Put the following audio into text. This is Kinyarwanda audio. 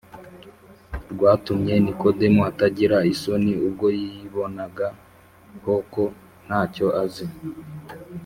rwatumye Nikodemo atagira isoni ubwo yibonagaho ko ntacyo azi